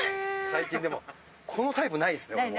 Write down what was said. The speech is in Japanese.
最近でもこのタイプないですね俺も。